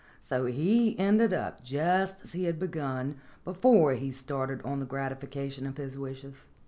So he ended up just as he had begun before he started on the gratification of his wishes.